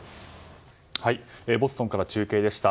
ボストンから中継でした。